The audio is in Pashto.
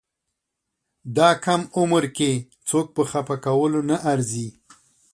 دا کم عمر کې څوک په خپه کولو نه ارزي.